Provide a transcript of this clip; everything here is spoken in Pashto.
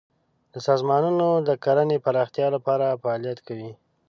دا سازمانونه د کرنې پراختیا لپاره فعالیت کوي.